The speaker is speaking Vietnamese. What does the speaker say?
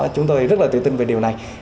chúng tôi rất là tự tin về điều này